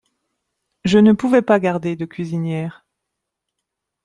Je ne pouvais pas garder de cuisinières.